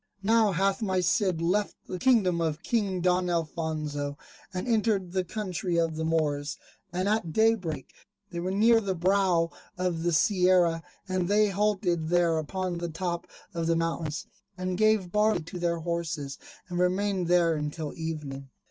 Now hath my Cid left the kingdom of King Don Alfonso, and entered the country of the Moors. And at day break they were near the brow of the Sierra, and they halted there upon the top of the mountains, and gave barley to their horses, and remained there until evening.